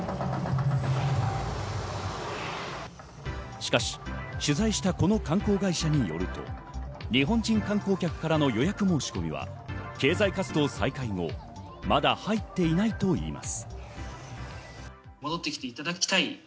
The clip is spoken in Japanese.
しかし、取材したこの観光会社によると、日本人観光客からの予約申し込みは経済活動再開後、まだ入っていないと言います。